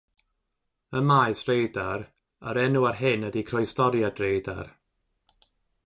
Ym maes Radar, yr enw ar hyn ydi Croestoriad Radar.